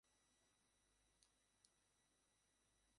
কিন্তু প্রভুর ইচ্ছাই পূর্ণ হবে।